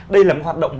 đây là một hoạt động